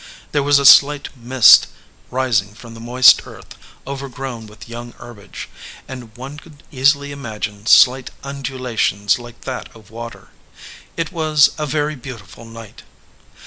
There was a slight mist rising from the moist earth overgrown with young herbage, and one could easily imagine slight undulations like that of water. It was a very beau tiful night.